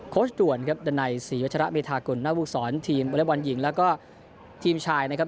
โครชด่วนครับดันไน่สิรุษระมิถากุลนาบุกศรทีมบอเล็กบอลหญิงแล้วก็ทีมชายนะครับ